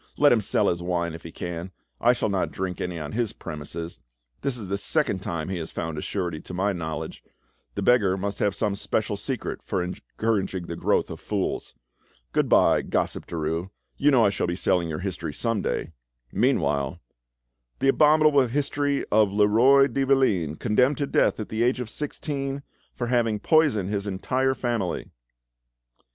Let him sell his wine if he can; I shall not drink any on his premises. This is the second time he has found a surety to my knowledge; the beggar must have some special secret for encouraging the growth of fools. Good bye, gossip Derues; you know I shall be selling your history some day. Meanwhile—— "The abominable history of Leroi de Valine, condemned to death at the age of sixteen for having poisoned his entire family!"